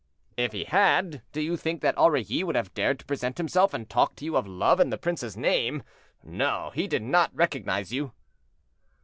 "If he had, do you think that Aurilly would have dared to present himself and talk to you of love in the prince's name? No, he did not recognize you."